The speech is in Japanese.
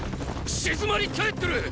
静まり返ってる！